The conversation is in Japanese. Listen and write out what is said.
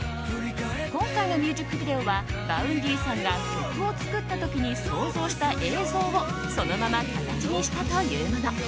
今回のミュージックビデオはＶａｕｎｄｙさんが曲を作った時に想像した映像をそのまま形にしたというもの。